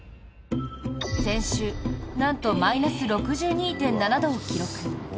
先週、なんとマイナス６２．７度を記録。